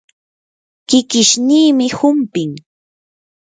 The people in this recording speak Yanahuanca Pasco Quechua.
kikishniimi humpin.